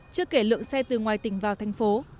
chưa kể lượng xe từ ngoài tỉnh vào thành phố